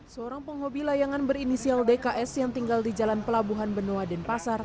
seorang penghobi layangan berinisial dks yang tinggal di jalan pelabuhan benoa denpasar